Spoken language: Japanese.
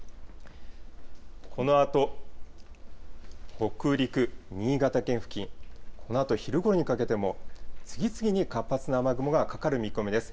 このあと、北陸、新潟県付近、このあと昼ごろにかけても、次々に活発な雨雲がかかる見込みです。